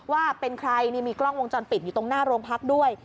ว่าเป็นใครนี่มีกล้องวงจรปิดอยู่ตรงหน้าโรงพักด้วย